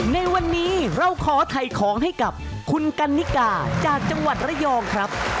ในวันนี้เราขอถ่ายของให้กับคุณกันนิกาจากจังหวัดระยองครับ